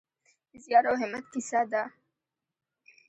د زیار او همت کیسه ده.